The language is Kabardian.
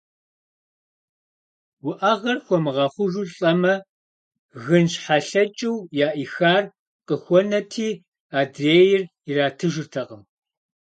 Уӏэгъэр хуэмыгъэхъужу лӏэмэ, гынщхьэлъэкӏыу яӏихар къыхуэнэти, адрейр иратыжыртэкъым.